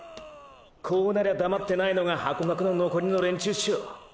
こうなりゃ黙ってないのがハコガクの残りの連中ショ。